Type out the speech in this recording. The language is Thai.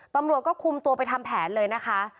ตำรวจก็คุมตัวไปทำแผนเลยนะคะ